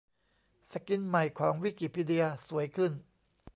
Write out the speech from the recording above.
สกินใหม่ของ วิกิพีเดีย สวยขึ้น